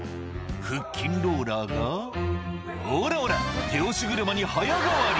「腹筋ローラーがおらおら手押し車に早変わり！」